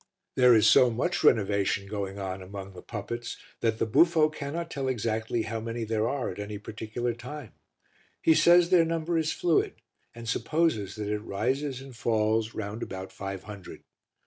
There is so much renovation going on among the puppets that the buffo cannot tell exactly how many there are at any particular time. He says their number is fluid, and supposes that it rises and falls round about five hundred.